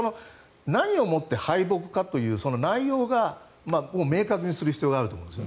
何をもって敗北かという内容を明確にする必要があると思います。